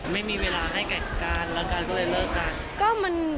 ไม่มีเวลาให้กัดกันแล้วกันก็เลยเลิกกัน